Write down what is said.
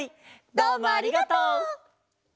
どうもありがとう。